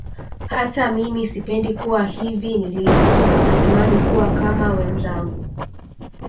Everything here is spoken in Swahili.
Hata mimi sipendi kuwa hivi nilivyo natamani kuwa kama wenzangu